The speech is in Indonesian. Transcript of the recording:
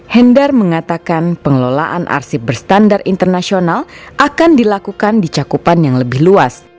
hendar mengatakan pengelolaan arsip berstandar internasional akan dilakukan di cakupan yang lebih luas